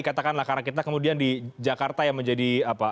katakanlah karena kita kemudian di jakarta yang menjadi apa